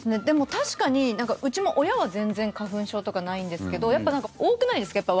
でも、確かにうちも親は全然花粉症とかないんですけどやっぱり多くないですか？